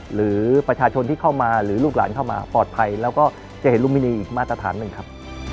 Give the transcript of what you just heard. หรือประชาชนที่เข้ามาหรือลูกหลานเข้ามาปลอดภัยแล้วก็จะเห็นลุมินีอีกมาตรฐานหนึ่งครับ